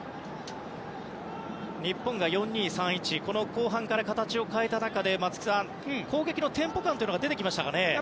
日本が４−２−３−１に後半から形を変えた中で松木さん、攻撃のテンポ感が出てきましたかね。